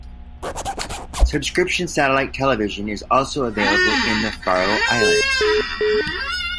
Subscription satellite television is also available in the Faroe Islands.